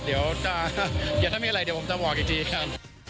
เดี๋ยวถ้ามีอะไรเดี๋ยวผมจะบอกอีกทีกัน